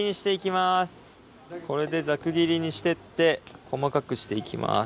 これでざく切りにしてって細かくして行きます。